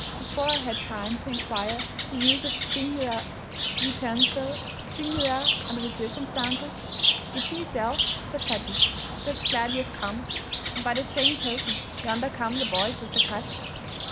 Before I had time to inquire the use of the singular utensil singular under the circumstances, "It's meself," says Paddy, "that's glad you've come, and by the same token, yonder come the boys with the cat."